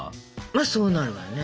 まあそうなるわね。